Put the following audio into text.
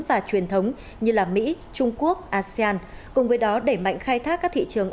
và truyền thống như mỹ trung quốc asean cùng với đó đẩy mạnh khai thác các thị trường